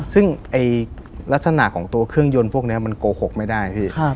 ซึ่งลักษณะของตัวเครื่องยนต์พวกนี้มันโกหกไม่ได้พี่